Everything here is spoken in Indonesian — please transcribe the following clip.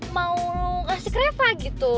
mau ngasih reva gitu